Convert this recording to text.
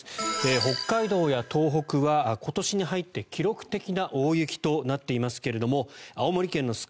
北海道や東北は、今年に入って記録的な大雪となっていますが青森県の酸ケ